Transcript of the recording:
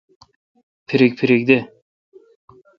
پھریک پھریک دہ۔